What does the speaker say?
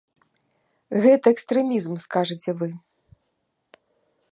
Гэта экстрэмізм, скажаце вы.